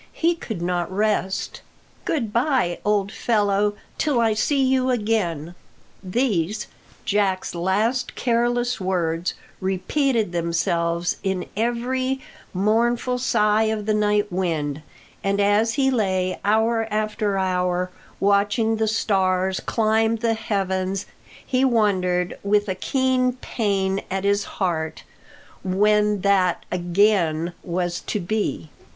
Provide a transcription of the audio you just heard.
He could not rest. "Good bye, old fellow, till I see you again." These, Jack's last careless words, repeated themselves in every me urnful sigh of the night wind; and as he lay, hour after hour, watching the stars climb the heavens; he wondered, with a keen pain at his heart, when that "again" was to be.